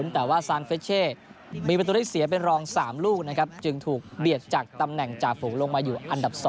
แต่ว่าซานเฟชเช่มีประตูได้เสียเป็นรอง๓ลูกนะครับจึงถูกเบียดจากตำแหน่งจ่าฝูงลงมาอยู่อันดับ๒